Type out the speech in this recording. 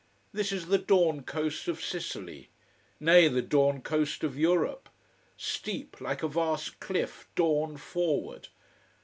This is the dawn coast of Sicily. Nay, the dawn coast of Europe. Steep, like a vast cliff, dawn forward.